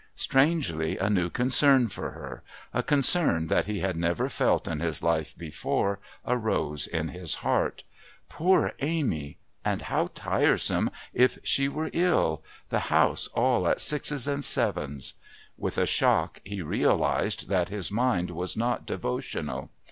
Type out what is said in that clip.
Strangely a new concern for her, a concern that he had never felt in his life before, arose in his heart. Poor Amy and how tiresome if she were ill, the house all at sixes and sevens! With a shock he realised that his mind was not devotional.